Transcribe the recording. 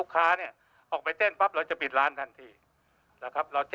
ครับ